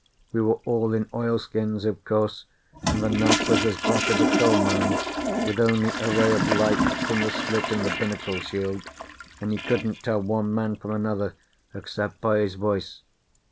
We were all in oilskins, of course, and the night was as black as a coal mine, with only a ray of light from the slit in the binnacle shield, and you couldn't tell one man from another except by his voice.